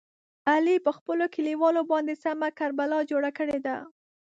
علي په خپلو کلیوالو باندې سمه کربلا جوړه کړې ده.